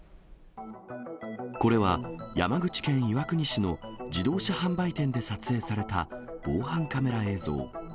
これは、山口県岩国市の自動車販売店で撮影された防犯カメラ映像。